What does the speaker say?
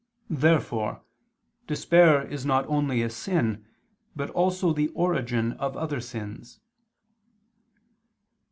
Therefore despair is not only a sin but also the origin of other sins.